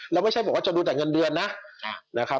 แล้วไม่ใช่บอกว่าจะดูแต่เงินเดือนนะครับ